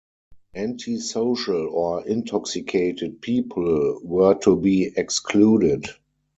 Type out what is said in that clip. Anti-social or intoxicated people were to be excluded.